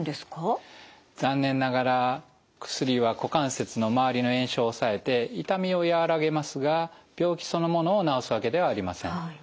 残念ながら薬は股関節の周りの炎症を抑えて痛みを和らげますが病気そのものを治すわけではありません。